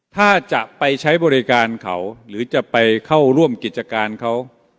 ถ้าจะไปใช้บริการเขาหรือจะไปเข้าร่วมกิจการเขา